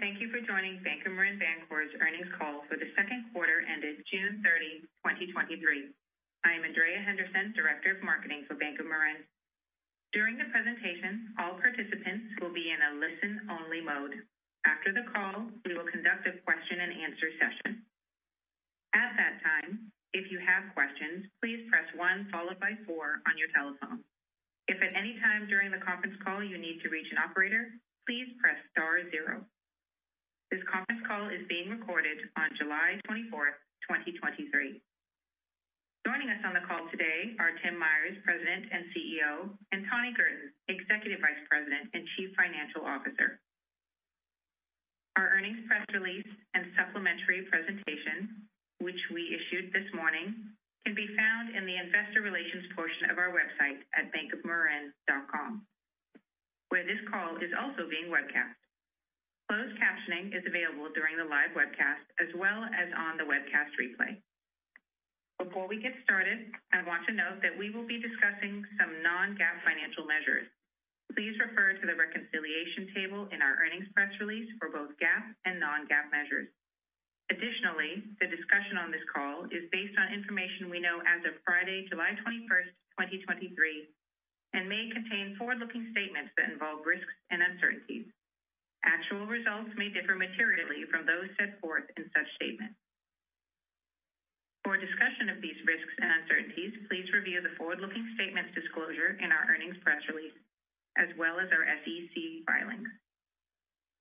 Thank you for joining Bank of Marin Bancorp's earnings call for the second quarter ended June 30, 2023. I am Andrea Henderson, Director of Marketing for Bank of Marin. During the presentation, all participants will be in a listen-only mode. After the call, we will conduct a question and answer session. At that time, if you have questions, please press one, followed by four on your telephone. If at any time during the conference call you need to reach an operator, please press star zero. This conference call is being recorded on July 24, 2023. Joining us on the call today are Tim Myers, President and CEO, and Tani Girton, Executive Vice President and Chief Financial Officer. Our earnings press release and supplementary presentation, which we issued this morning, can be found in the investor relations portion of our website at bankofmarin.com, where this call is also being webcast. Closed captioning is available during the live webcast as well as on the webcast replay. Before we get started, I want to note that we will be discussing some non-GAAP financial measures. Please refer to the reconciliation table in our earnings press release for both GAAP and non-GAAP measures. The discussion on this call is based on information we know as of Friday, July 21, 2023, and may contain forward-looking statements that involve risks and uncertainties. Actual results may differ materially from those set forth in such statements. For a discussion of these risks and uncertainties, please review the forward-looking statements disclosure in our earnings press release, as well as our SEC filings.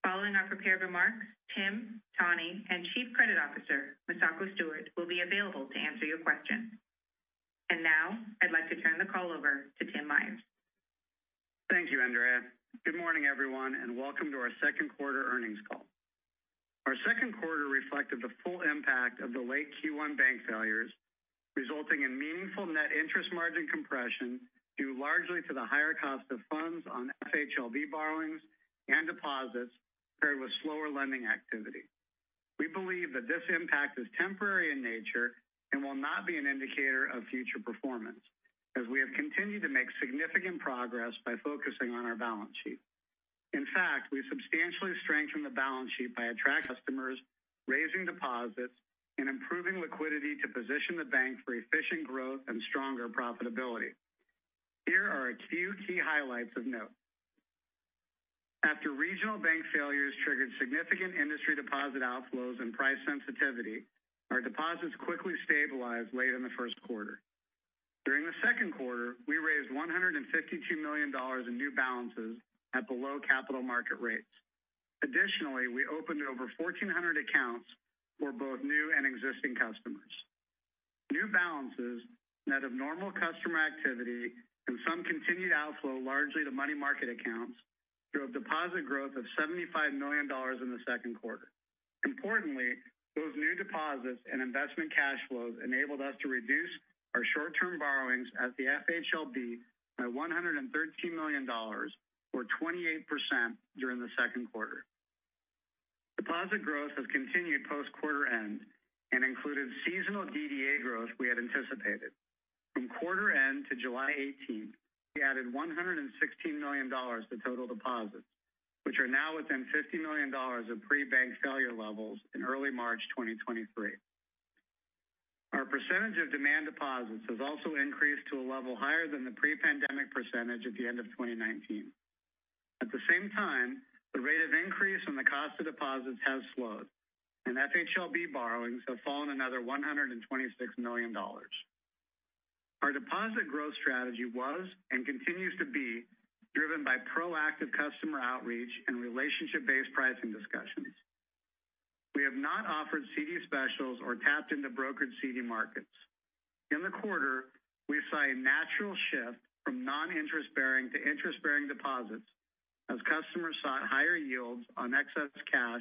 Following our prepared remarks, Tim, Tani, and Chief Credit Officer, Misako Stewart, will be available to answer your questions. Now I'd like to turn the call over to Tim Myers. Thank you, Andrea. Good morning, everyone, welcome to our second quarter earnings call. Our second quarter reflected the full impact of the late Q1 bank failures, resulting in meaningful net interest margin compression, due largely to the higher cost of funds on FHLB borrowings and deposits, paired with slower lending activity. We believe that this impact is temporary in nature and will not be an indicator of future performance, as we have continued to make significant progress by focusing on our balance sheet. In fact, we substantially strengthened the balance sheet by attracting customers, raising deposits, and improving liquidity to position the bank for efficient growth and stronger profitability. Here are a few key highlights of note. After regional bank failures triggered significant industry deposit outflows and price sensitivity, our deposits quickly stabilized late in the first quarter. During the second quarter, we raised $152 million in new balances at below capital market rates. Additionally, we opened over 1,400 accounts for both new and existing customers. New balances net of normal customer activity and some continued outflow, largely to money market accounts, drove deposit growth of $75 million in the second quarter. Importantly, those new deposits and investment cash flows enabled us to reduce our short-term borrowings at the FHLB by $113 million or 28% during the second quarter. Deposit growth has continued post-quarter end and included seasonal DDA growth we had anticipated. From quarter end to July 18th, we added $116 million to total deposits, which are now within $50 million of pre-bank failure levels in early March 2023. Our % of demand deposits has also increased to a level higher than the pre-pandemic % at the end of 2019. At the same time, the rate of increase in the cost of deposits has slowed, and FHLB borrowings have fallen another $126 million. Our deposit growth strategy was, and continues to be, driven by proactive customer outreach and relationship-based pricing discussions. We have not offered CD specials or tapped into brokered CD markets. In the quarter, we saw a natural shift from non-interest bearing to interest-bearing deposits as customers sought higher yields on excess cash,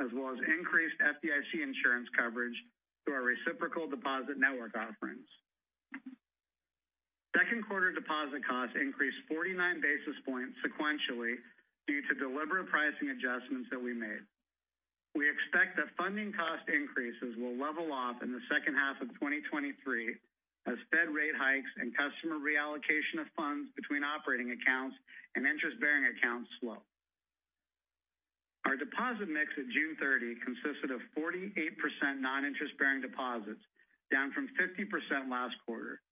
as well as increased FDIC insurance coverage through our reciprocal deposit network offerings. Second quarter deposit costs increased 49 basis points sequentially due to deliberate pricing adjustments that we made. We expect that funding cost increases will level off in the second half of 2023 as Fed rate hikes and customer reallocation of funds between operating accounts and interest-bearing accounts slow. Our deposit mix at June 30 consisted of 48% non-interest bearing deposits, down from 50% last quarter.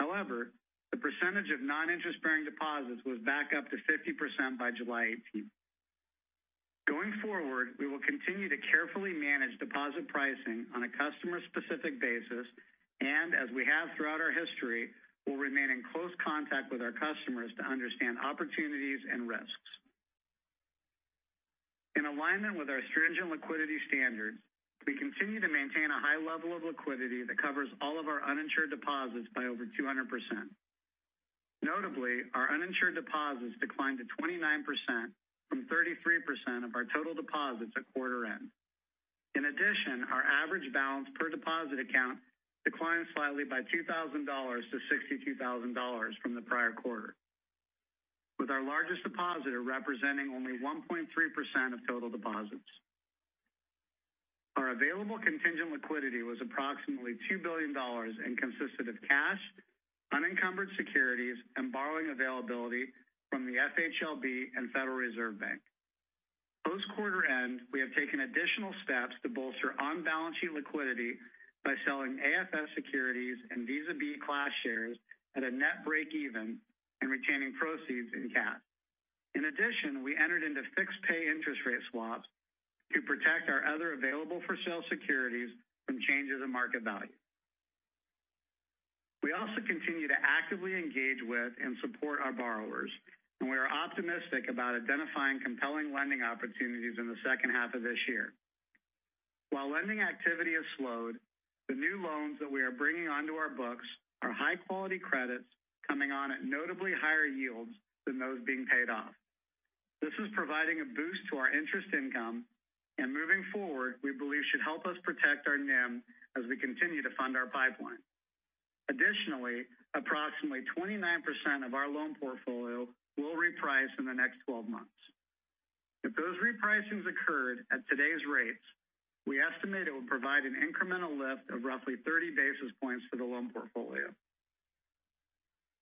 However, the percentage of non-interest bearing deposits was back up to 50% by July 18. Going forward, we will continue to carefully manage deposit pricing on a customer-specific basis, and as we have throughout our history, we'll remain in close contact with our customers to understand opportunities and risks. In alignment with our stringent liquidity standards, we continue to maintain a high level of liquidity that covers all of our uninsured deposits by over 200%. Notably, our uninsured deposits declined to 29% from 33% of our total deposits at quarter end. In addition, our average balance per deposit account declined slightly by $2,000 to $62,000 from the prior quarter, with our largest depositor representing only 1.3% of total deposits. Our available contingent liquidity was approximately $2 billion and consisted of cash, unencumbered securities, and borrowing availability from the FHLB and Federal Reserve Bank. Post quarter end, we have taken additional steps to bolster on-balance sheet liquidity by selling AFS securities and Visa Class B shares at a net break even and retaining proceeds in cash. In addition, we entered into fixed pay interest rate swaps to protect our other available-for-sale securities from changes in market value. We also continue to actively engage with and support our borrowers, and we are optimistic about identifying compelling lending opportunities in the second half of this year. While lending activity has slowed, the new loans that we are bringing onto our books are high-quality credits coming on at notably higher yields than those being paid off. This is providing a boost to our interest income and moving forward, we believe should help us protect our NIM as we continue to fund our pipeline. Additionally, approximately 29% of our loan portfolio will reprice in the next 12 months. If those repricings occurred at today's rates, we estimate it would provide an incremental lift of roughly 30 basis points to the loan portfolio.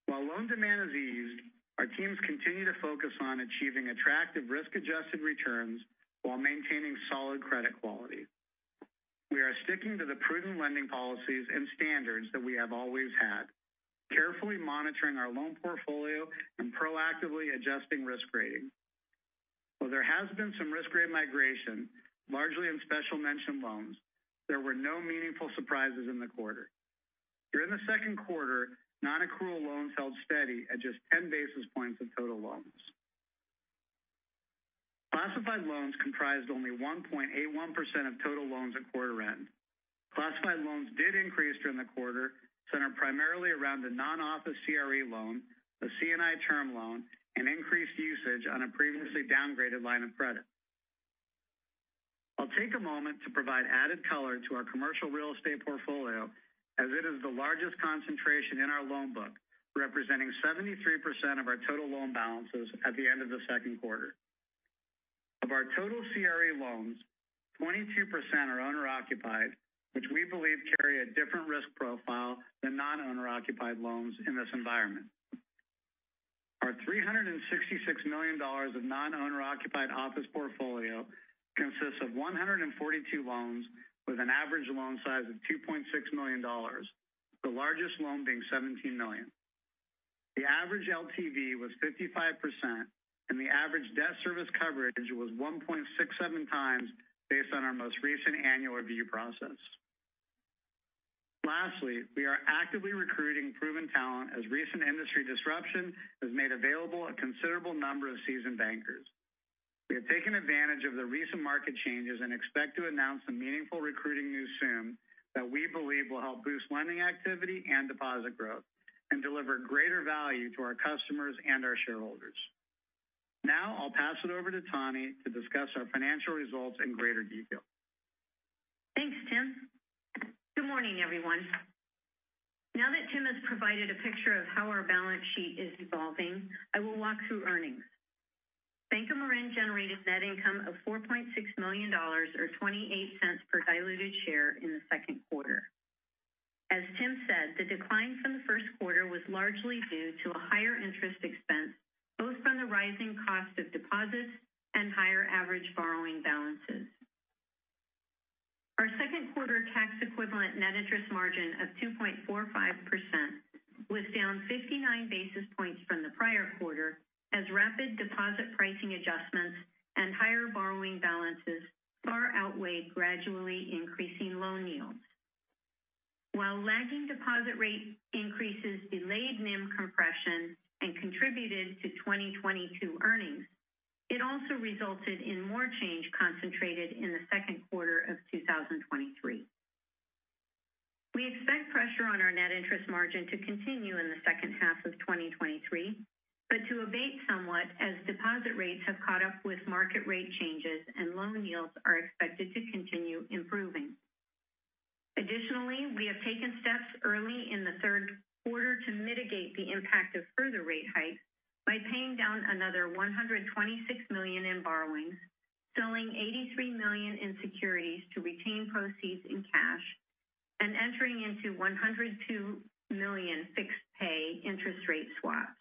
While loan demand has eased, our teams continue to focus on achieving attractive risk-adjusted returns while maintaining solid credit quality. We are sticking to the prudent lending policies and standards that we have always had, carefully monitoring our loan portfolio and proactively adjusting risk rating. While there has been some risk grade migration, largely in special mention loans, there were no meaningful surprises in the quarter. During the second quarter, nonaccrual loans held steady at just 10 basis points of total loans. Classified loans comprised only 1.81% of total loans at quarter end. Classified loans did increase during the quarter, centered primarily around the non-office CRE loan, the C&I term loan, and increased usage on a previously downgraded line of credit. I'll take a moment to provide added color to our commercial real estate portfolio, as it is the largest concentration in our loan book, representing 73% of our total loan balances at the end of the second quarter. Of our total CRE loans, 22% are owner-occupied, which we believe carry a different risk profile than non-owner-occupied loans in this environment. Our $366 million of non-owner-occupied office portfolio consists of 142 loans with an average loan size of $2.6 million, the largest loan being $17 million. The average LTV was 55%, and the average debt service coverage was 1.67 times based on our most recent annual review process. Lastly, we are actively recruiting proven talent as recent industry disruption has made available a considerable number of seasoned bankers. We have taken advantage of the recent market changes and expect to announce some meaningful recruiting news soon that we believe will help boost lending activity and deposit growth and deliver greater value to our customers and our shareholders. Now, I'll pass it over to Tani to discuss our financial results in greater detail. Thanks, Tim. Good morning, everyone. Tim has provided a picture of how our balance sheet is evolving, I will walk through earnings. Bank of Marin generated net income of $4.6 million or $0.28 per diluted share in the second quarter. As Tim said, the decline from the first quarter was largely due to a higher interest expense, both from the rising cost of deposits and higher average borrowing balances. Our second quarter tax equivalent net interest margin of 2.45% was down 59 basis points from the prior quarter, as rapid deposit pricing adjustments and higher borrowing balances far outweighed gradually increasing loan yields. Lagging deposit rate increases delayed NIM compression and contributed to 2022 earnings, it also resulted in more change concentrated in the second quarter of 2023. We expect pressure on our net interest margin to continue in the second half of 2023, but to abate somewhat as deposit rates have caught up with market rate changes and loan yields are expected to continue improving. Additionally, we have taken steps early in the third quarter to mitigate the impact of further rate hikes by paying down another $126 million in borrowings, selling $83 million in securities to retain proceeds in cash, and entering into $102 million fixed pay interest rate swaps.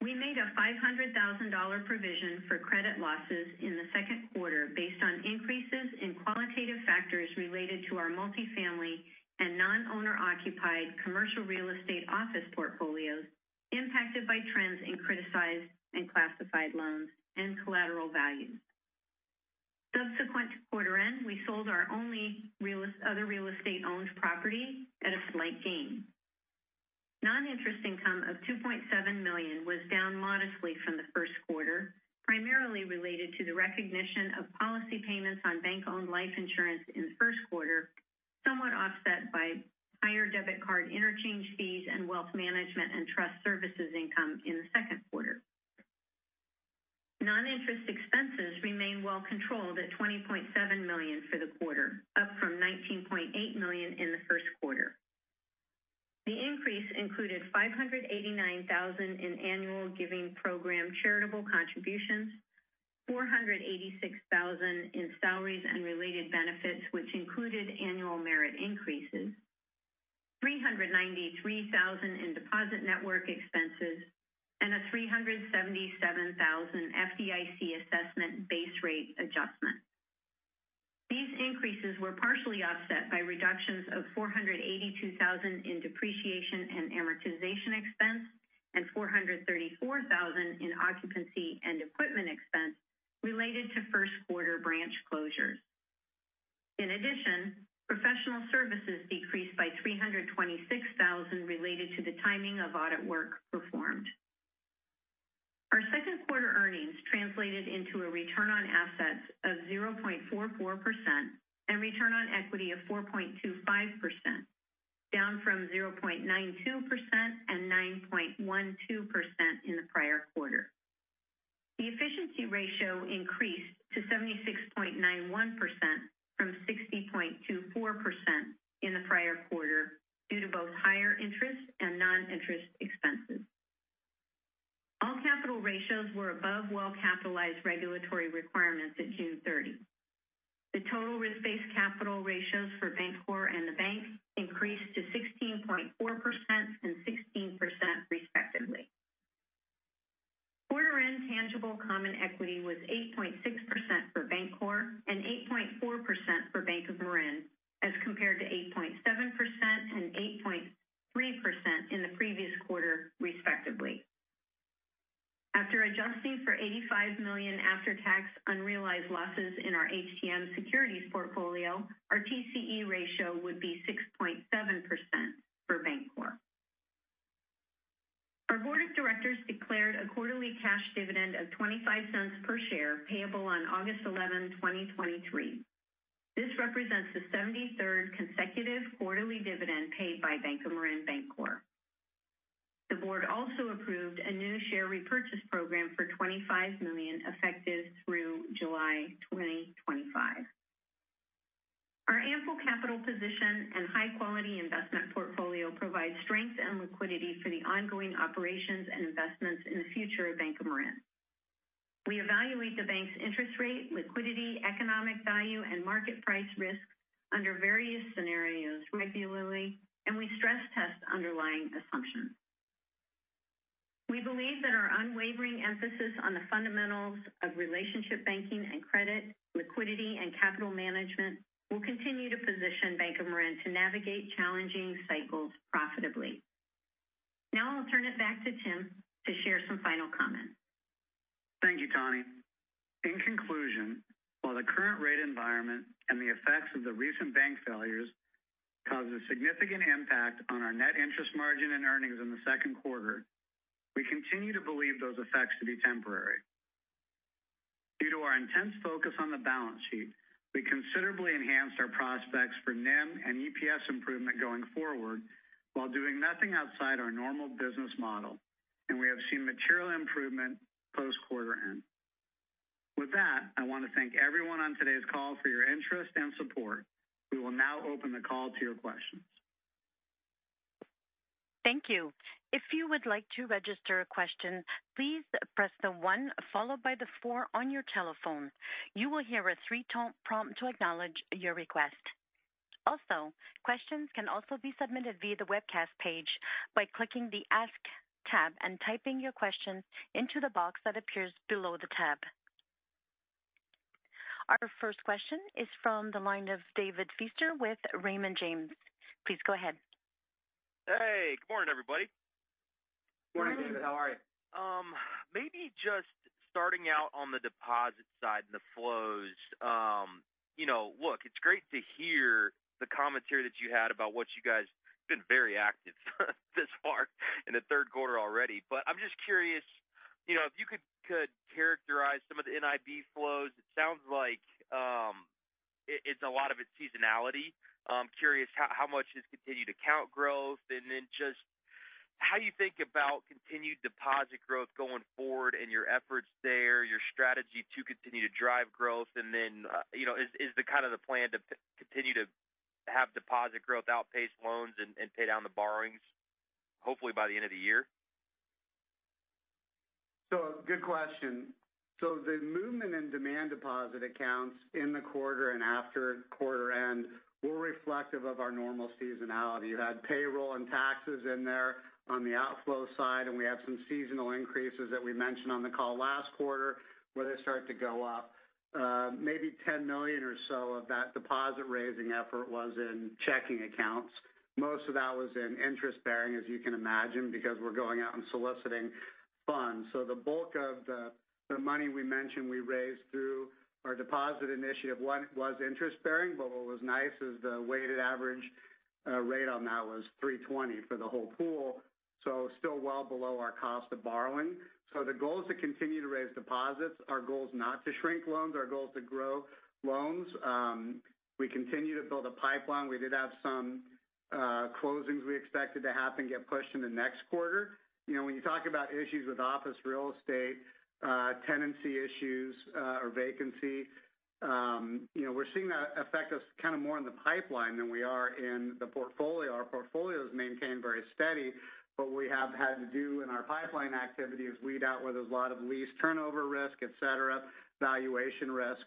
We made a $500,000 provision for credit losses in the second quarter based on increases in qualitative factors related to our multifamily and non-owner-occupied commercial real estate office portfolios, impacted by trends in criticized and classified loans and collateral values. Subsequent to quarter end, we sold our only other real estate-owned property at a slight gain. Non-interest income of $2.7 million was down modestly from the first quarter, primarily related to the recognition of policy payments on bank-owned life insurance in the first quarter, somewhat offset by higher debit card interchange fees and wealth management and trust services income in the second quarter. Non-interest expenses remained well controlled at $20.7 million for the quarter, up from $19.8 million. The increase included $589,000 in annual giving program charitable contributions, $486,000 in salaries and related benefits, which included annual merit increases, $393,000 in deposit network expenses, and a $377,000 FDIC assessment base rate adjustment. These increases were partially offset by reductions of $482,000 in depreciation and amortization expense and $434,000 in occupancy and equipment expense related to first quarter branch closures. In addition, professional services decreased by $326,000 related to the timing of audit work performed. Our second quarter earnings translated into a return on assets of 0.44% and return on equity of 4.25%, down from 0.92% and 9.12% in the prior quarter. The efficiency ratio increased to 76.91% from 60.24% in the prior quarter, due to both higher interest and non-interest expenses. All capital ratios were above well-capitalized regulatory requirements at June 30.The total risk-based capital ratios for Bancorp and the bank increased to 16.4% and 16%, respectively. Quarter end tangible common equity was 8.6% for Bancorp and 8.4% for Bank of Marin, as compared to 8.7% and 8.3% in the previous quarter, respectively. After adjusting for $85 million after-tax unrealized losses in our HTM securities portfolio, our TCE ratio would be 6.7% for Bancorp. Our board of directors declared a quarterly cash dividend of $0.25 per share, payable on August 11, 2023. This represents the 73rd consecutive quarterly dividend paid by Bank of Marin Bancorp. The board also approved a new share repurchase program for $25 million, effective through July 2025. Our ample capital position and high-quality investment portfolio provide strength and liquidity for the ongoing operations and investments in the future of Bank of Marin. We evaluate the bank's interest rate, liquidity, economic value, and market price risk under various scenarios regularly, and we stress test underlying assumptions. We believe that our unwavering emphasis on the fundamentals of relationship banking and credit, liquidity, and capital management will continue to position Bank of Marin to navigate challenging cycles profitably. I'll turn it back to Tim to share some final comments. Thank you, Tani. In conclusion, while the current rate environment and the effects of the recent bank failures caused a significant impact on our net interest margin and earnings in the second quarter, we continue to believe those effects to be temporary. Due to our intense focus on the balance sheet, we considerably enhanced our prospects for NIM and EPS improvement going forward while doing nothing outside our normal business model, and we have seen material improvement post quarter end. With that, I want to thank everyone on today's call for your interest and support. We will now open the call to your questions. Thank you. If you would like to register a question, please press the one followed by the four on your telephone. You will hear a three-tone prompt to acknowledge your request. Also, questions can also be submitted via the webcast page by clicking the Ask tab and typing your question into the box that appears below the tab. Our first question is from the line of David Feaster with Raymond James. Please go ahead. Hey, good morning, everybody. Good morning, David. How are you? Maybe just starting out on the deposit side and the flows. You know, look, it's great to hear the commentary that you had about what you guys been very active this far in the third quarter already. I'm just curious, you know, if you could characterize some of the NIB flows. It sounds like it's a lot of it's seasonality. I'm curious how much is continued account growth, and then just how you think about continued deposit growth going forward and your efforts there, your strategy to continue to drive growth. You know, is the kind of the plan to continue to have deposit growth outpace loans and pay down the borrowings, hopefully by the end of the year? Good question. The movement in demand deposit accounts in the quarter and after quarter end were reflective of our normal seasonality. You had payroll and taxes in there on the outflow side, and we have some seasonal increases that we mentioned on the call last quarter, where they start to go up. Maybe $10 million or so of that deposit-raising effort was in checking accounts. Most of that was in interest-bearing, as you can imagine, because we're going out and soliciting funds. The bulk of the money we mentioned we raised through our deposit initiative, one, was interest-bearing, but what was nice is the weighted average rate on that was 3.20 for the whole pool, still well below our cost of borrowing. The goal is to continue to raise deposits. Our goal is not to shrink loans. Our goal is to grow loans. We continue to build a pipeline. We did have some closings we expected to happen, get pushed into next quarter. You know, when you talk about issues with office real estate, tenancy issues, or vacancy, you know, we're seeing that affect us kind of more in the pipeline than we are in the portfolio. Our portfolio has maintained very steady, but we have had to do in our pipeline activity, is weed out where there's a lot of lease turnover risk, et cetera, valuation risk.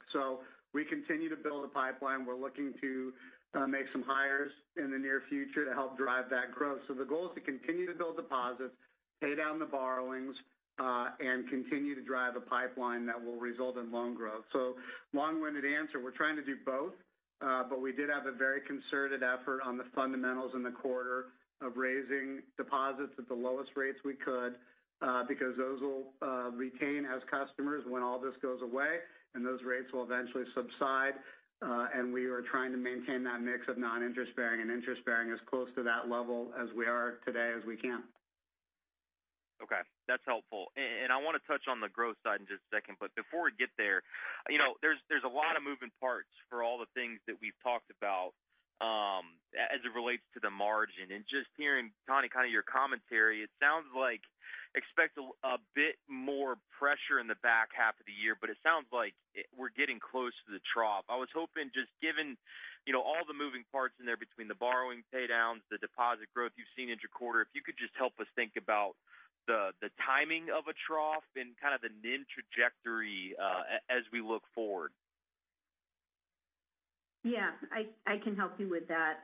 We continue to build a pipeline. We're looking to make some hires in the near future to help drive that growth. The goal is to continue to build deposits, pay down the borrowings and continue to drive a pipeline that will result in loan growth. Long-winded answer, we're trying to do both, but we did have a very concerted effort on the fundamentals in the quarter of raising deposits at the lowest rates we could, because those will retain as customers when all this goes away and those rates will eventually subside. We are trying to maintain that mix of non-interest bearing and interest bearing as close to that level as we are today, as we can. Okay, that's helpful. I want to touch on the growth side in just a second, before we get there, you know, there's a lot of moving parts for all the things that we've talked about, as it relates to the margin. Just hearing, Tani, kind of your commentary, it sounds like expect a bit more pressure in the back half of the year, but it sounds like we're getting close to the trough. I was hoping, just given, you know, all the moving parts in there between the borrowing paydowns, the deposit growth you've seen in your quarter, if you could just help us think about the timing of a trough and kind of the NIM trajectory as we look forward. Yeah, I can help you with that.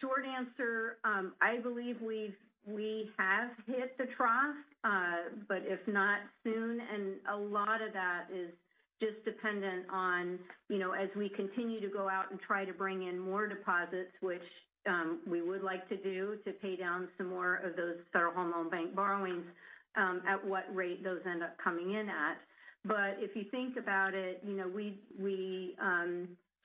Short answer, I believe we have hit the trough, if not soon, and a lot of that is just dependent on, you know, as we continue to go out and try to bring in more deposits, which we would like to do, to pay down some more of those Federal Home Loan Bank borrowings, at what rate those end up coming in at. If you think about it, you know, we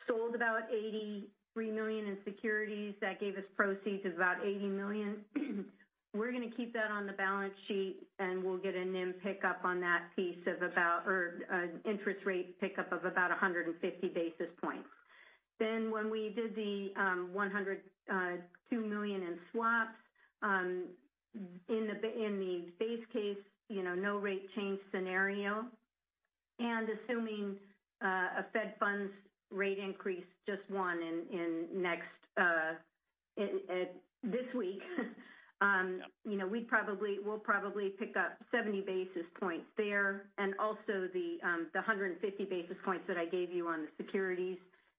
sold about $83 million in securities. That gave us proceeds of about $80 million. We're going to keep that on the balance sheet, and we'll get a NIM pickup on that piece of about or an interest rate pickup of about 150 basis points. When we did the $102 million in swaps in the base case, you know, no rate change scenario, and assuming a Fed funds rate increase, just one this week, you know, we'll probably pick up 70 basis points there. Also the 150 basis points that I gave you on the securities,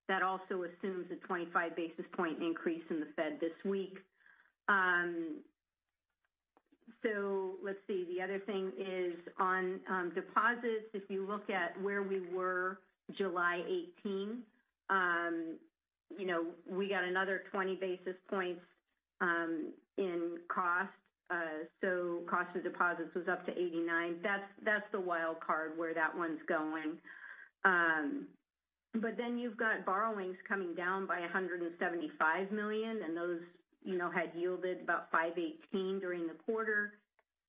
that also assumes a 25 basis point increase in the Fed this week. Let's see, the other thing is on deposits. If you look at where we were July 18, you know, we got another 20 basis points in cost. Cost of deposits was up to 89. That's the wild card where that one's going. You've got borrowings coming down by $175 million, and those, you know, had yielded about 5.18% during the quarter.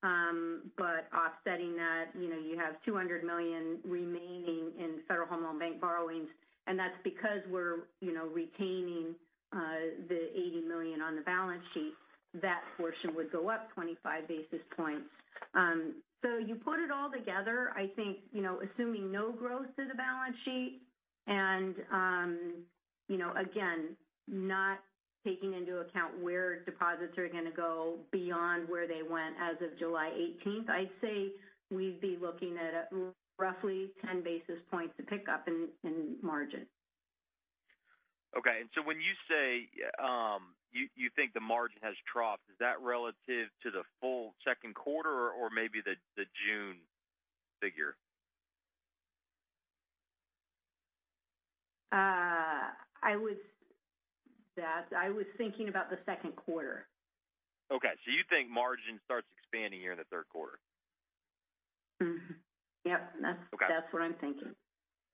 Offsetting that, you know, you have $200 million remaining in Federal Home Loan Bank borrowings, and that's because we're, you know, retaining the $80 million on the balance sheet. That portion would go up 25 basis points. You put it all together, I think, you know, assuming no growth to the balance sheet and, you know, again, not taking into account where deposits are going to go beyond where they went as of July 18th, I'd say we'd be looking at a roughly 10 basis points to pick up in margin. Okay. When you say, you think the margin has troughed, is that relative to the full second quarter or maybe the June figure? that I was thinking about the second quarter. Okay, you think margin starts expanding here in the third quarter? Mm-hmm. Yep. Okay. That's what I'm thinking.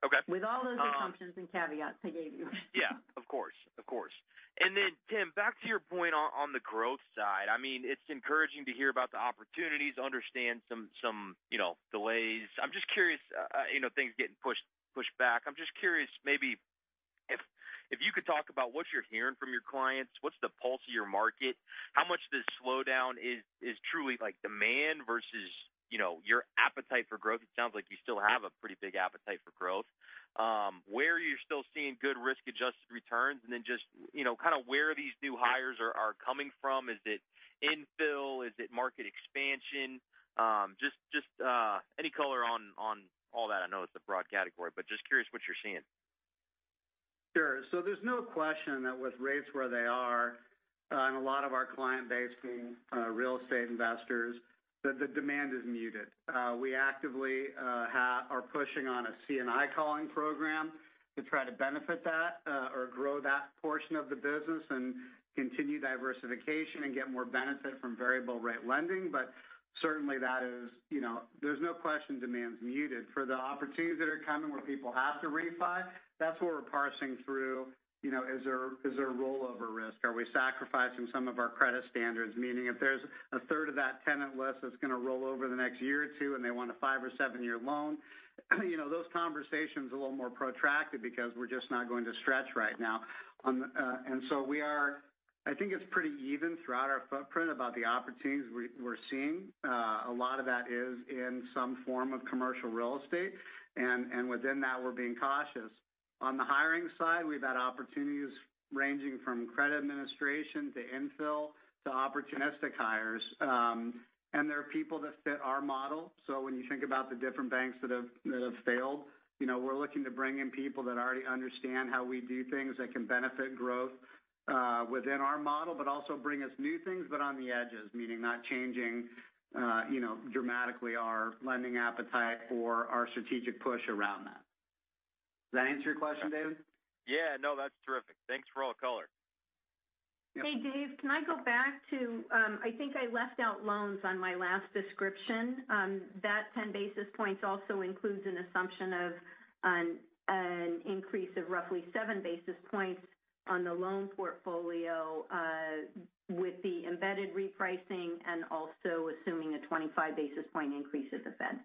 Okay. With all those assumptions and caveats I gave you. Yeah, of course. Of course. Tim, back to your point on the growth side. I mean, it's encouraging to hear about the opportunities, understand some, you know, delays. I'm just curious, you know, things getting pushed back. I'm just curious, maybe if you could talk about what you're hearing from your clients, what's the pulse of your market? How much this slowdown is truly like demand versus, you know, your appetite for growth. It sounds like you still have a pretty big appetite for growth. Where are you still seeing good risk-adjusted returns? Just, you know, kind of where these new hires are coming from. Is it infill? Is it market expansion? Just any color on all that. I know it's a broad category, but just curious what you're seeing. Sure. There's no question that with rates where they are, and a lot of our client base being real estate investors, that the demand is muted. We actively are pushing on a C&I calling program to try to benefit that, or grow that portion of the business and continue diversification and get more benefit from variable rate lending. Certainly that is, you know, there's no question demand is muted. For the opportunities that are coming, where people have to refi, that's where we're parsing through. You know, is there a rollover risk? Are we sacrificing some of our credit standards? Meaning, if there's a third of that tenant list that's going to roll over the next year or two, and they want a five or seven-year loan, you know, those conversations are a little more protracted because we're just not going to stretch right now. So I think it's pretty even throughout our footprint about the opportunities we're seeing. A lot of that is in some form of commercial real estate, and within that, we're being cautious. On the hiring side, we've had opportunities ranging from credit administration to infill to opportunistic hires. There are people that fit our model. When you think about the different banks that have failed, you know, we're looking to bring in people that already understand how we do things, that can benefit growth within our model, but also bring us new things, but on the edges, meaning not changing, you know, dramatically our lending appetite or our strategic push around that. Does that answer your question, Dave? Yeah. No, that's terrific. Thanks for all the color. Dave, can I go back to, I think I left out loans on my last description. That 10 basis points also includes an assumption of an increase of roughly 7 basis points on the loan portfolio, with the embedded repricing and also assuming a 25 basis point increase as a Fed.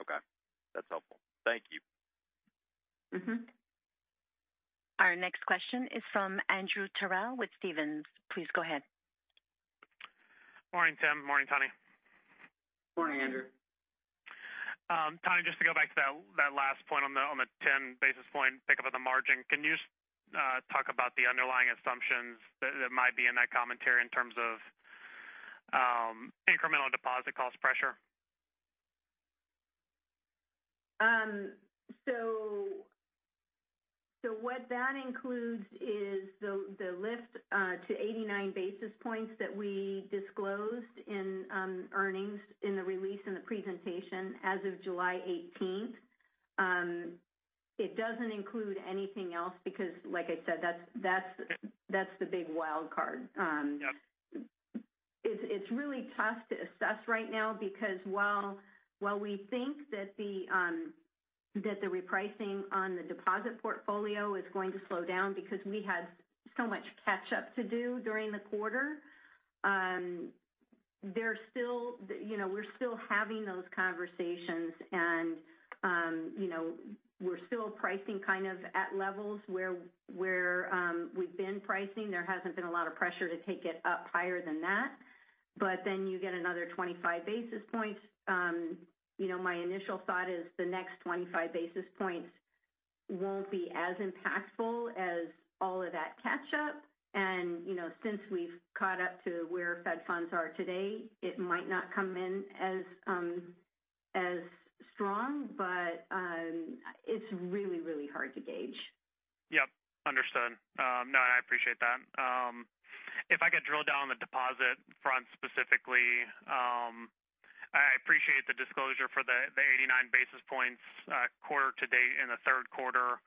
Okay. That's helpful. Thank you. Mm-hmm. Our next question is from Andrew Terrell with Stephens. Please go ahead. Morning, Tim. Morning, Tani. Morning, Andrew. Tani, just to go back to that last point on the, on the 10 basis point, pick up on the margin. Can you just talk about the underlying assumptions that might be in that commentary in terms of incremental deposit cost pressure? What that includes is the lift to 89 basis points that we disclosed in earnings in the release in the presentation as of July 18th. It doesn't include anything else because like I said, that's the big wild card. Yeah. It's really tough to assess right now because while we think that the that the repricing on the deposit portfolio is going to slow down because we had so much catch up to do during the quarter, there's still. You know, we're still having those conversations and you know, we're still pricing kind of at levels where we've been pricing. There hasn't been a lot of pressure to take it up higher than that. You get another 25 basis points. You know, my initial thought is the next 25 basis points won't be as impactful as all of that catch up. You know, since we've caught up to where Fed funds are today, it might not come in as strong, but it's really, really hard to gauge. Yep, understood. No, and I appreciate that. If I could drill down on the deposit front specifically, I appreciate the disclosure for the 89 basis points quarter to date in the third quarter.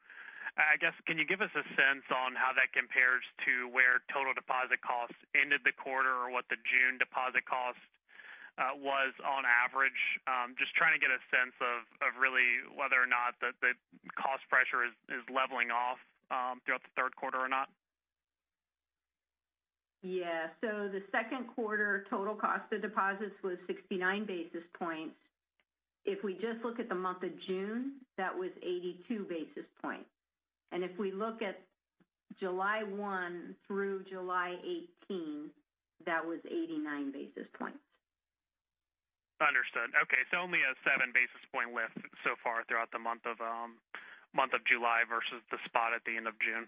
I guess, can you give us a sense on how that compares to where total deposit costs ended the quarter or what the June deposit cost was on average? Just trying to get a sense of really whether or not the cost pressure is leveling off throughout the third quarter or not. Yeah. The second quarter total cost of deposits was 69 basis points. If we just look at the month of June, that was 82 basis points. If we look at July 1 through July 18, that was 89 basis points. Understood. Okay, only a 7 basis point lift so far throughout the month of July versus the spot at the end of June.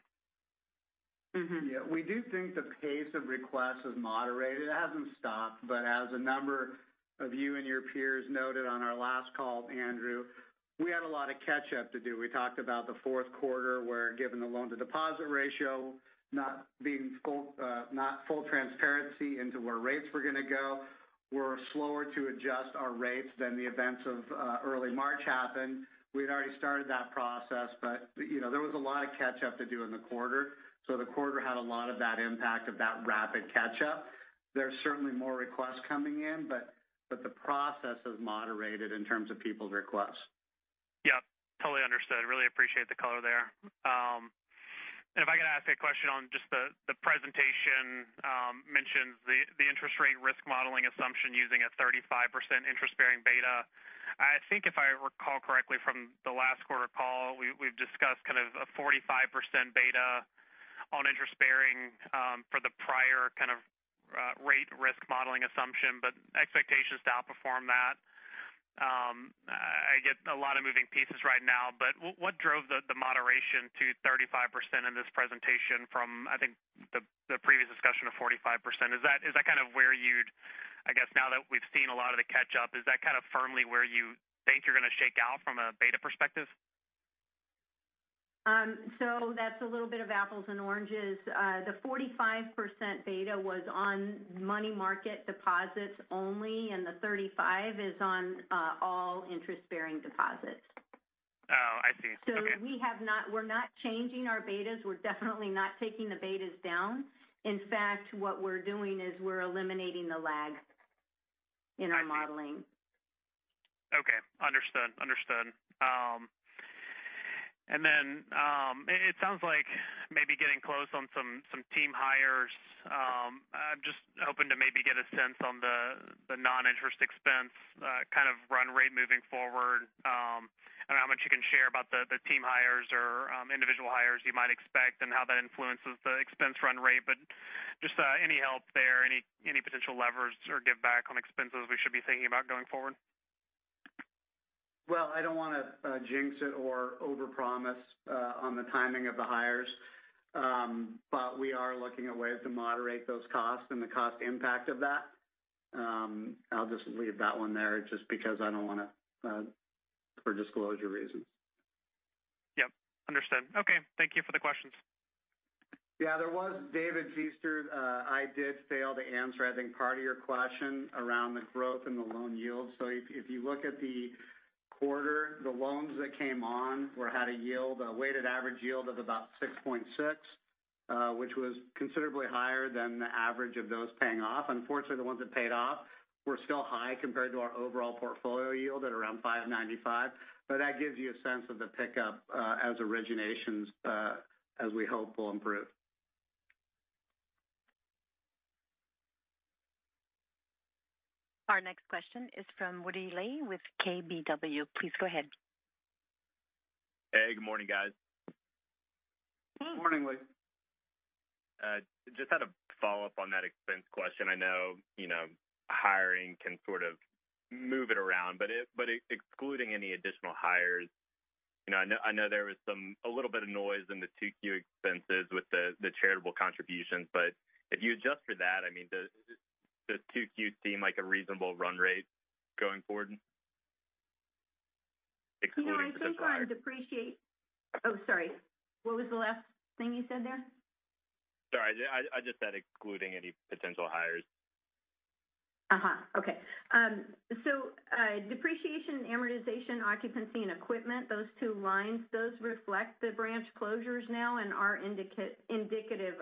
Mm-hmm. Yeah, we do think the pace of request has moderated. It hasn't stopped, but as a number of you and your peers noted on our last call, Andrew, we had a lot of catch up to do. We talked about the fourth quarter, where given the loan to deposit ratio, not being full, not full transparency into where rates were going to go, we're slower to adjust our rates than the events of early March happened. We'd already started that process, but, you know, there was a lot of catch up to do in the quarter, so the quarter had a lot of that impact of that rapid catch-up. There's certainly more requests coming in, but the process has moderated in terms of people's requests. Yep, totally understood. Really appreciate the color there. If I could ask a question on just the presentation mentions the interest rate risk modeling assumption using a 35% interest-bearing beta. I think if I recall correctly from the last quarter call, we've discussed kind of a 45% beta on interest bearing for the prior kind of rate risk modeling assumption, but expectations to outperform that. I get a lot of moving pieces right now, but what drove the moderation to 35% in this presentation from, I think, the previous discussion of 45%? Is that kind of where I guess now that we've seen a lot of the catch up, is that kind of firmly where you think you're going to shake out from a beta perspective? That's a little bit of apples and oranges. The 45% beta was on money market deposits only, and the 35 is on all interest-bearing deposits. Oh, I see. Okay. We're not changing our betas. We're definitely not taking the betas down. In fact, what we're doing is we're eliminating the lag-. I see. in our modeling. Okay, understood. Understood. It sounds like maybe getting close on some team hires. Sense on the non-interest expense kind of run rate moving forward. I don't know how much you can share about the team hires or individual hires you might expect and how that influences the expense run rate. Just any help there, any potential levers or give back on expenses we should be thinking about going forward? I don't want to jinx it or overpromise on the timing of the hires. We are looking at ways to moderate those costs and the cost impact of that. I'll just leave that one there just because I don't want to for disclosure reasons. Yep, understood. Okay, thank you for the questions. Yeah, there was David Feaster, I did fail to answer, I think, part of your question around the growth in the loan yields. If you look at the quarter, the loans that came on had a yield, a weighted average yield of about 6.6%, which was considerably higher than the average of those paying off. Unfortunately, the ones that paid off were still high compared to our overall portfolio yield at around 5.95%. That gives you a sense of the pickup as originations as we hope will improve. Our next question is from Woody Lay with KBW. Please go ahead. Hey, good morning, guys. Good morning, Woody. Just had a follow-up on that expense question. I know, you know, hiring can sort of move it around, but excluding any additional hires, you know, I know there was a little of noise in the two Q expenses with the charitable contributions. If you adjust for that, I mean, does two Q seem like a reasonable run rate going forward? Yeah. Oh, sorry. What was the last thing you said there? Sorry, I just said excluding any potential hires. Okay. Depreciation and amortization, occupancy and equipment, those two lines, those reflect the branch closures now and are indicative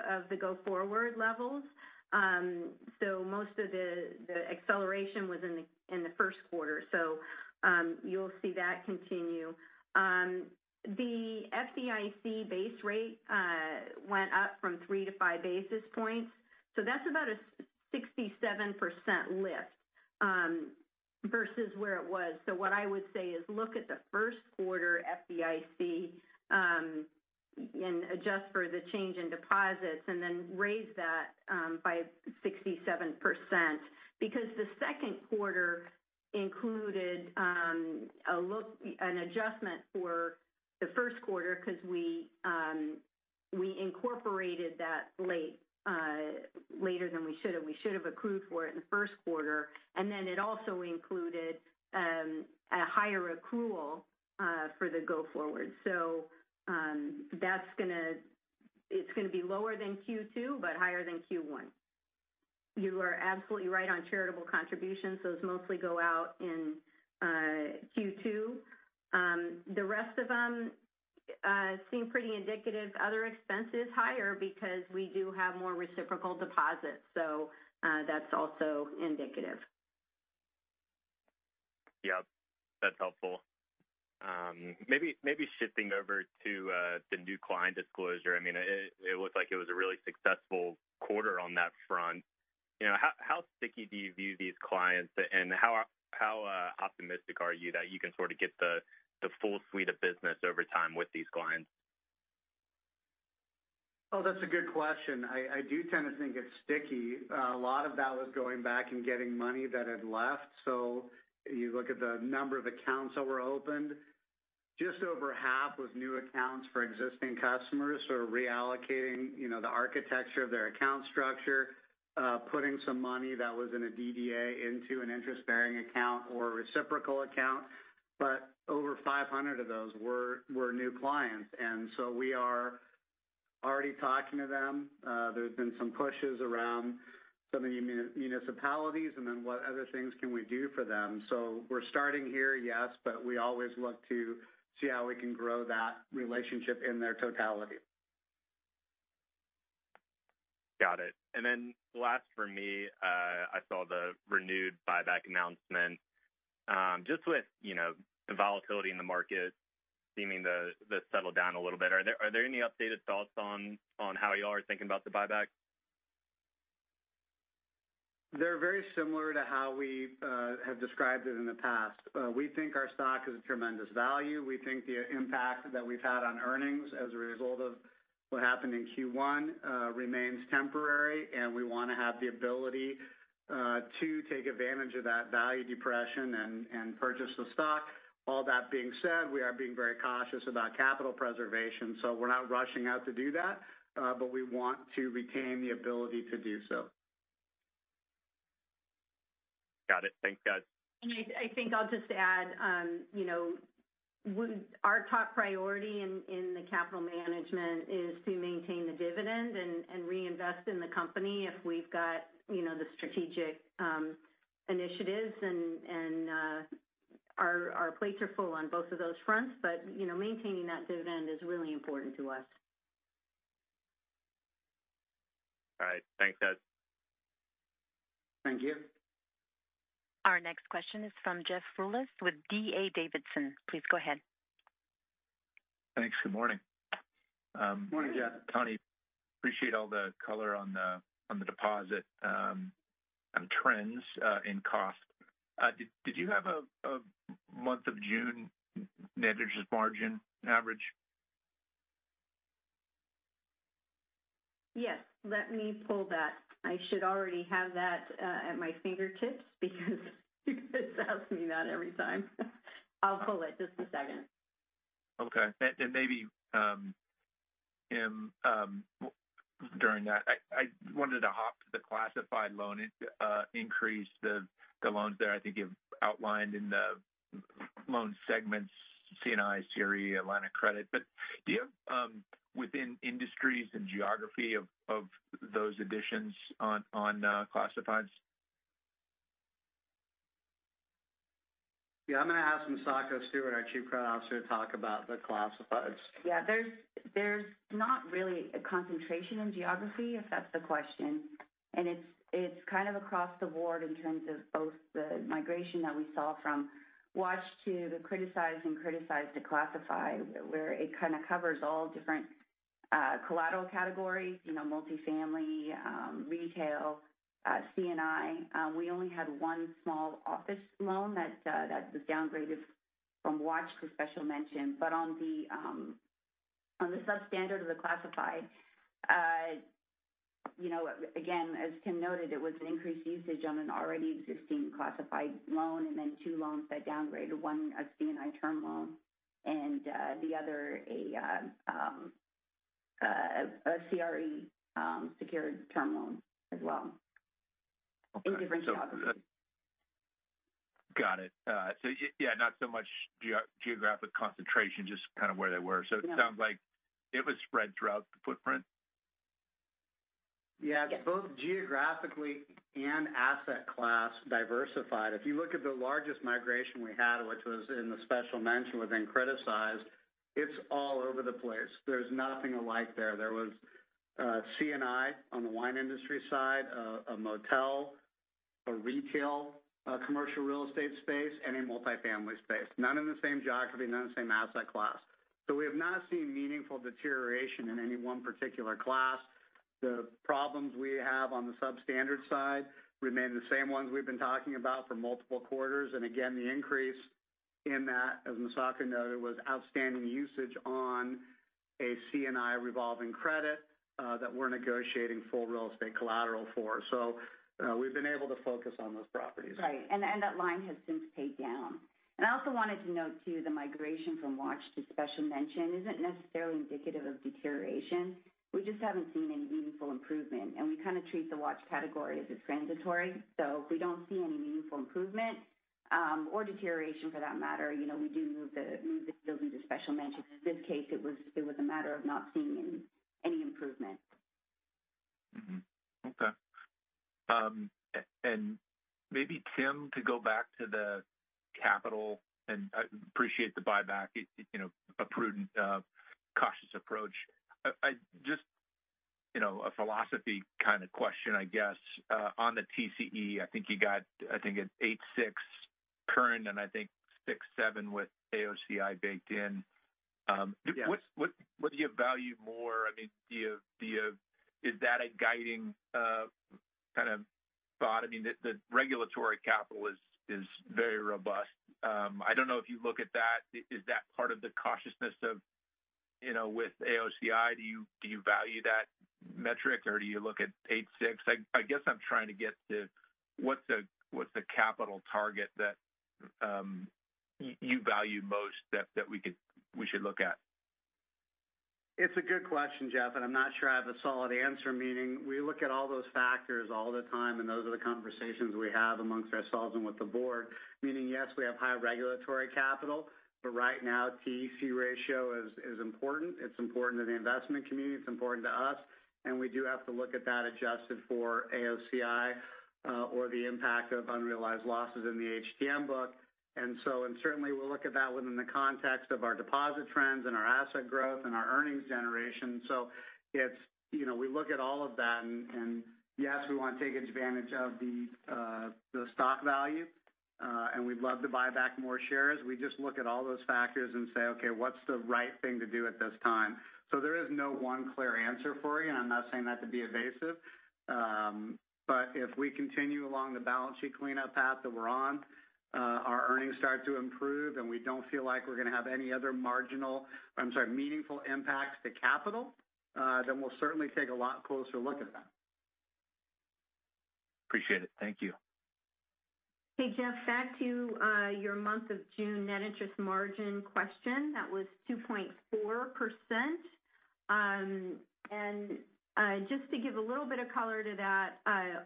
of the go-forward levels. Most of the acceleration was in the first quarter. You'll see that continue. The FDIC base rate went up from 3 to 5 basis points, so that's about a 67% lift versus where it was. What I would say is look at the first quarter FDIC and adjust for the change in deposits, and then raise that by 67%. Because the second quarter included an adjustment for the first quarter, 'cause we incorporated that late, later than we should have. We should have accrued for it in the first quarter. It also included a higher accrual for the go forward. That's gonna be lower than Q2, but higher than Q1. You are absolutely right on charitable contributions. Those mostly go out in Q2. The rest of them seem pretty indicative. Other expenses higher because we do have more reciprocal deposits. That's also indicative. Yep, that's helpful. maybe shifting over to the new client disclosure. I mean, it looks like it was a really successful quarter on that front. You know, how sticky do you view these clients? How optimistic are you that you can sort of get the full suite of business over time with these clients? That's a good question. I do tend to think it's sticky. A lot of that was going back and getting money that had left. You look at the number of accounts that were opened, just over half was new accounts for existing customers, sort of reallocating, you know, the architecture of their account structure. Putting some money that was in a DDA into an interest-bearing account or a reciprocal account. Over 500 of those were new clients, we are already talking to them. There's been some pushes around some of the municipalities, what other things can we do for them? We're starting here, yes, we always look to see how we can grow that relationship in their totality. Got it. Last for me, I saw the renewed buyback announcement. Just with, you know, the volatility in the market seeming to settle down a little bit, are there any updated thoughts on how you all are thinking about the buyback? They're very similar to how we have described it in the past. We think our stock is a tremendous value. We think the impact that we've had on earnings as a result of what happened in Q1 remains temporary, and we want to have the ability to take advantage of that value depression and purchase the stock. All that being said, we are being very cautious about capital preservation, so we're not rushing out to do that, but we want to retain the ability to do so. Got it. Thanks, guys. I think I'll just add, you know, our top priority in the capital management is to maintain the dividend and reinvest in the company if we've got, you know, the strategic initiatives and our plates are full on both of those fronts. Maintaining that dividend is really important to us. All right. Thanks, guys. Thank you. Our next question is from Jeff Rulis with D.A. Davidson. Please go ahead. Thanks. Good morning. Good morning, Jeff. Tani, appreciate all the color on the deposit, on trends, in cost. Did you have a month of June net interest margin average? Yes, let me pull that. I should already have that at my fingertips because you guys ask me that every time. I'll pull it, just a second. Okay. And maybe, during that, I wanted to hop to the classified loan increase the loans there. I think you've outlined in the loan segments, C&I, CRE, Atlantic Credit. Do you have within industries and geography of those additions on classifieds? Yeah, I'm going to ask Misako Stewart, our Chief Credit Officer, to talk about the classifieds. Yeah, there's not really a concentration in geography, if that's the question. It's kind of across the board in terms of both the migration that we saw from watch to the criticized and criticized to classified, where it kind of covers all different collateral categories, you know, multifamily, retail, C&I. We only had 1 small office loan that was downgraded from watch to special mention. On the substandard of the classified, you know, again, as Tim noted, it was an increased usage on an already existing classified loan, and then 2 loans that downgraded 1, a C&I term loan, and the other a CRE secured term loan as well. Okay. In different jobs. Got it. Yeah, not so much geographic concentration, just kind of where they were. Yeah. It sounds like it was spread throughout the footprint? Yeah. Yes. Both geographically and asset class diversified. If you look at the largest migration we had, which was in the special mention within criticized, it's all over the place. There's nothing alike there. There was C&I on the wine industry side, a motel, a retail, commercial real estate space, and a multifamily space. None in the same geography, none in the same asset class. We have not seen meaningful deterioration in any one particular class. The problems we have on the substandard side remain the same ones we've been talking about for multiple quarters. Again, the increase in that, as Misako noted, was outstanding usage on a C&I revolving credit that we're negotiating full real estate collateral for. We've been able to focus on those properties. Right. That line has since paid down. I also wanted to note, too, the migration from watch to special mention isn't necessarily indicative of deterioration. We just haven't seen any meaningful improvement, and we kind of treat the watch category as a transitory. If we don't see any meaningful improvement, or deterioration for that matter, you know, we do move the deals into special mention. In this case, it was a matter of not seeing any improvement. Okay. Maybe Tim, to go back to the capital, and I appreciate the buyback. It, you know, a prudent, cautious approach. I just, you know, a philosophy kind of question, I guess, on the TCE, I think you got, I think it's 8.6 current and I think 6.7 with AOCI baked in. Yeah. What do you value more? I mean, do you Is that a guiding kind of thought? I mean, the regulatory capital is very robust. I don't know if you look at that. Is that part of the cautiousness of, you know, with AOCI, do you value that metric, or do you look at 8.6? I guess I'm trying to get to what's the capital target that you value most that we should look at? It's a good question, Jeff. I'm not sure I have a solid answer. Meaning, we look at all those factors all the time, and those are the conversations we have amongst ourselves and with the board. Meaning, yes, we have high regulatory capital, but right now, TCE ratio is important. It's important to the investment community, it's important to us. We do have to look at that adjusted for AOCI or the impact of unrealized losses in the HTM book. Certainly we'll look at that within the context of our deposit trends and our asset growth and our earnings generation. You know, we look at all of that, and yes, we want to take advantage of the stock value and we'd love to buy back more shares. We just look at all those factors and say, "Okay, what's the right thing to do at this time?" There is no one clear answer for you, and I'm not saying that to be evasive. If we continue along the balance sheet cleanup path that we're on, our earnings start to improve, and we don't feel like we're going to have any other marginal, I'm sorry, meaningful impacts to capital, then we'll certainly take a lot closer look at that. Appreciate it. Thank you. Hey, Jeff, back to your month of June net interest margin question. That was 2.4%.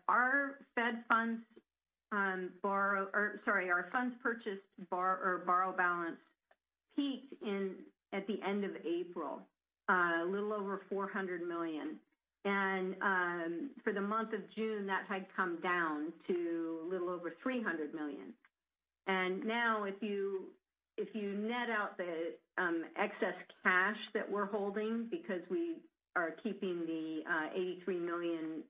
Our Fed funds our funds purchased or borrow balance peaked in at the end of April, a little over $400 million. For the month of June, that had come down to a little over $300 million. If you, if you net out the excess cash that we're holding, because we are keeping the $83 million.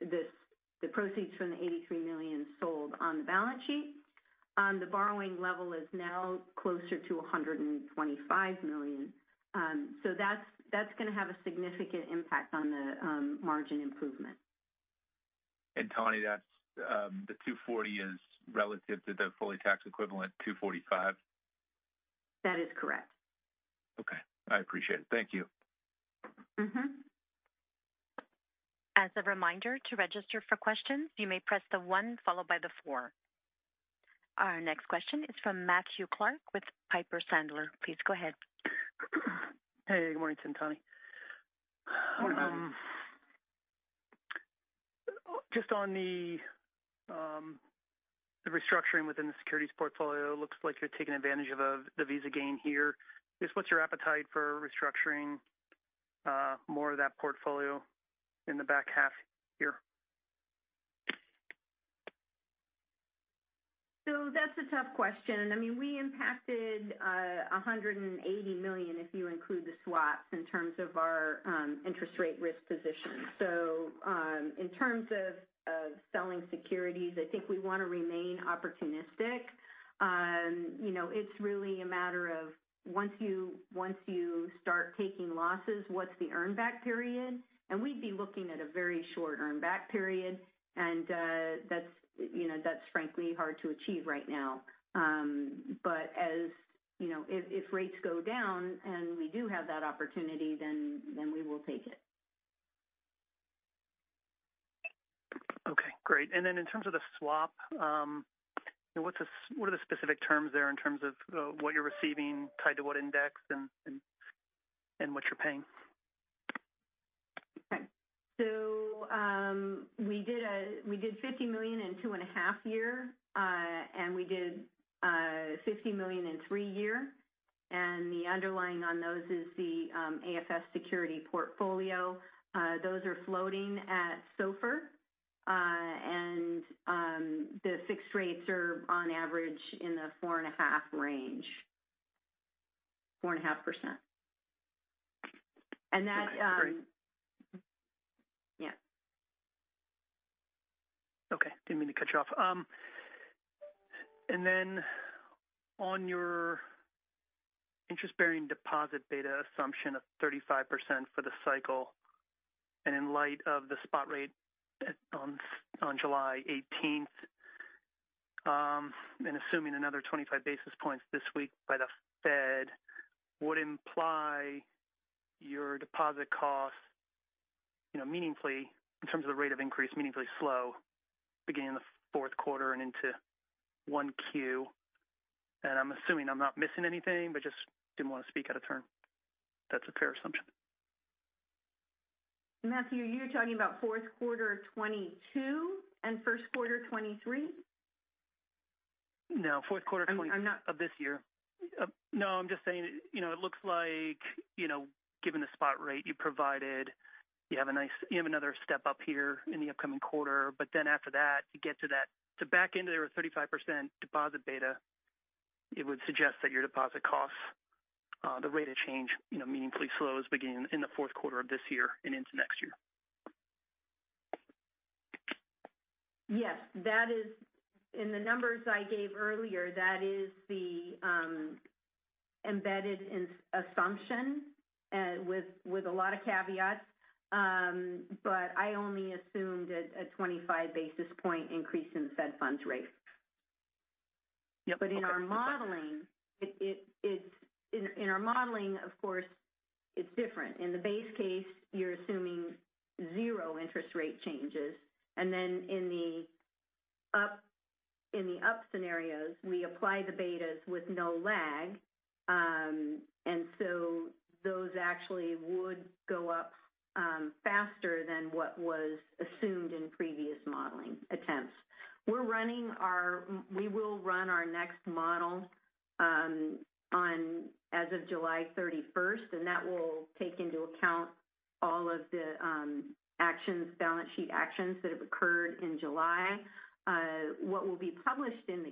the proceeds from the $83 million sold on the balance sheet. The borrowing level is now closer to $125 million. That's going to have a significant impact on the margin improvement. Tani, that's the 240 is relative to the fully tax equivalent 245? That is correct. Okay, I appreciate it. Thank you. Mm-hmm. As a reminder, to register for questions, you may press the one followed by the four. Our next question is from Matthew Clark with Piper Sandler. Please go ahead. Hey, good morning, Tim and Tani. Morning, Matthew. Just on the restructuring within the securities portfolio, looks like you're taking advantage of the Visa gain here. Just what's your appetite for restructuring, more of that portfolio in the back half year? That's a tough question, and, I mean, we impacted $180 million if you include the swaps in terms of our interest rate risk position. In terms of selling securities, I think we want to remain opportunistic. You know, it's really a matter of once you start taking losses, what's the earn back period? We'd be looking at a very short earn back period, and, that's, you know, that's frankly hard to achieve right now. As you know, if rates go down and we do have that opportunity, then we will take it. Okay, great. In terms of the swap, what are the specific terms there in terms of, what you're receiving tied to what index and what you're paying? Okay. We did $50 million in 2.5 year, and we did $50 million in 3 year, and the underlying on those is the AFS security portfolio. Those are floating at SOFR. The fixed rates are on average in the 4.5 range, 4.5%. That. Okay, great. Yeah. Okay. Didn't mean to cut you off. On your interest-bearing deposit beta assumption of 35% for the cycle, in light of the spot rate on July 18th, assuming another 25 basis points this week by the Fed, would imply your deposit costs, you know, meaningfully in terms of the rate of increase, meaningfully slow, beginning in the fourth quarter and into 1Q. I'm assuming I'm not missing anything, but just didn't want to speak out of turn. That's a fair assumption. Matthew, you're talking about fourth quarter 2022 and first quarter 2023? No, fourth quarter twenty- I'm. of this year. I'm just saying, you know, it looks like, you know, given the spot rate you provided, you have another step up here in the upcoming quarter. After that, you get back into your 35% deposit beta, it would suggest that your deposit costs, the rate of change, you know, meaningfully slows beginning in the fourth quarter of this year and into next year. Yes, that is. In the numbers I gave earlier, that is the embedded assumption, with a lot of caveats. I only assumed a 25 basis point increase in Fed funds rate. Yep. Okay. In our modeling, it's in our modeling, of course, it's different. In the base case, you're assuming 0 interest rate changes, and then in the up scenarios, we apply the betas with no lag. Those actually would go up faster than what was assumed in previous modeling attempts. We will run our next model on as of July 31, and that will take into account all of the actions, balance sheet actions that have occurred in July. What will be published in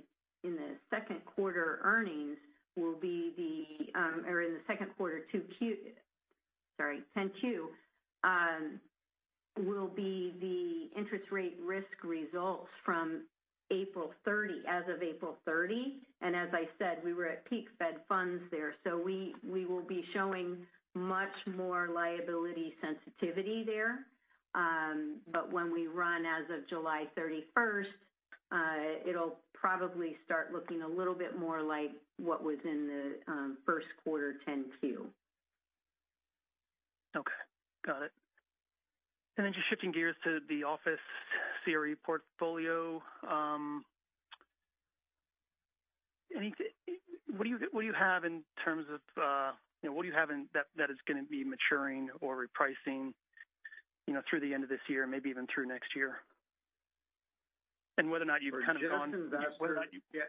the second quarter earnings will be the or in the second quarter 10-Q will be the interest rate risk results from April 30, as of April 30. As I said, we were at peak Fed funds there, so we will be showing much more liability sensitivity there. When we run as of July 31st, it'll probably start looking a little bit more like what was in the first quarter 10-Q. Okay, got it. Just shifting gears to the office CRE portfolio. What do you have in terms of, you know, what do you have in that is going to be maturing or repricing, you know, through the end of this year, maybe even through next year? Whether or not you've kind of gone... Just. Whether or not you've. Just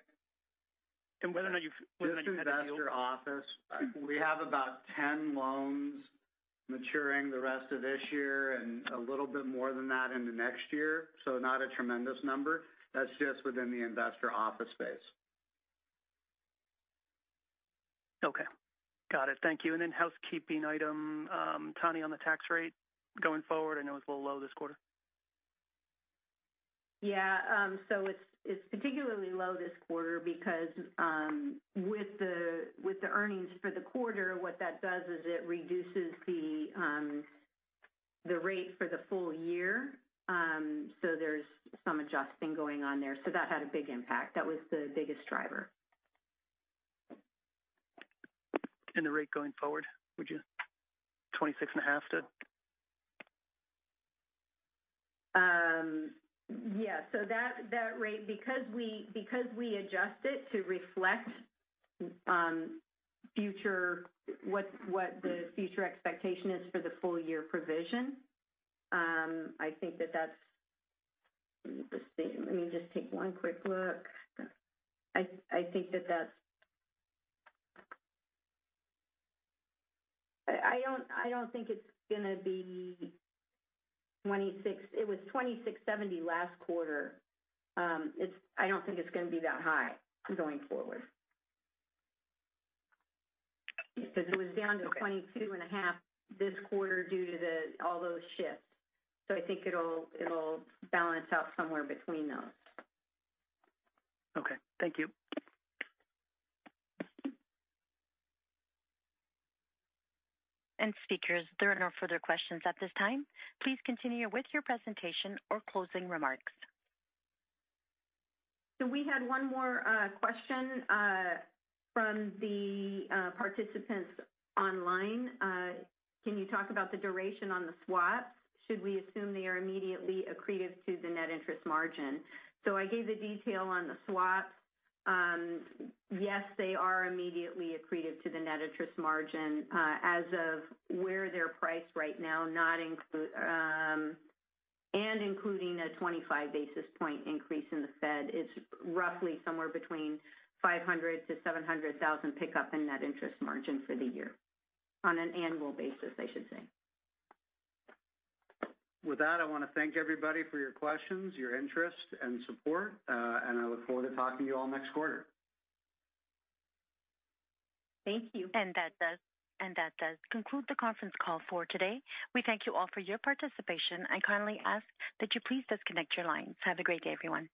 investor office, we have about 10 loans maturing the rest of this year and a little bit more than that into next year. Not a tremendous number. That's just within the investor office space. Got it. Thank you. Housekeeping item, Tani Girton, on the tax rate going forward, I know it's a little low this quarter. Yeah. It's, it's particularly low this quarter because, with the, with the earnings for the quarter, what that does is it reduces the rate for the full year. There's some adjusting going on there. That had a big impact. That was the biggest driver. The rate going forward, would you-- 26.5% to? Yeah. That rate, because we adjust it to reflect, future, what the future expectation is for the full year provision, I think that that's. Let me just see. Let me just take one quick look. I think that that's. I don't think it's gonna be 26. It was 26.70 last quarter. I don't think it's gonna be that high going forward. It was down to twenty-two and a half this quarter due to the, all those shifts. I think it'll balance out somewhere between those. Okay, thank you. Speakers, there are no further questions at this time. Please continue with your presentation or closing remarks. We had one more question from the participants online. "Can you talk about the duration on the swaps? Should we assume they are immediately accretive to the net interest margin?" I gave the detail on the swaps. Yes, they are immediately accretive to the net interest margin. As of where they're priced right now, not including a 25 basis point increase in the Fed, it's roughly somewhere between $500,000-$700,000 pickup in net interest margin for the year. On an annual basis, I should say. With that, I want to thank everybody for your questions, your interest and support, and I look forward to talking to you all next quarter. Thank you. That does conclude the conference call for today. We thank you all for your participation. I kindly ask that you please disconnect your lines. Have a great day, everyone.